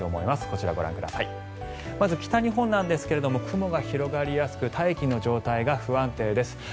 まず、北日本なんですが雲が広がりやすく大気の状態が不安定です。